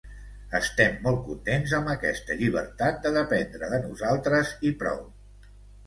Estem molt contents amb aquesta llibertat de dependre de nosaltres i prou.